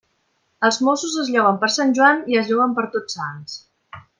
Els mossos es lloguen per Sant Joan i es lloguen per Tots Sants.